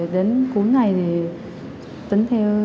đến cuối ngày thì tính theo